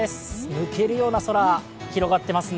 抜けるような空、広がっていますね